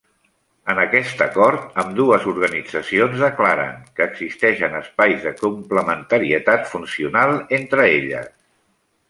En aquest acord, ambdues organitzacions declaren que existeixen espais de complementarietat funcional entre elles.